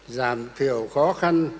giảm thiểu khó khăn